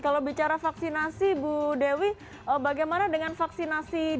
kalau bicara vaksinasi bu dewi bagaimana dengan vaksinasi didalam